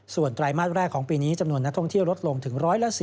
ส่วนไตรมาสแรกของปีนี้จำนวนนักท่องเที่ยวลดลงถึง๑๔๐